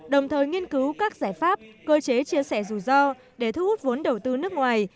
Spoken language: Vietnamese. đồng thời nghiên cứu các giải pháp cơ chế chia sẻ rủi ro để thu hút vốn đầu tư nước ngoài